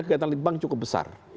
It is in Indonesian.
kegiatan lidbang cukup besar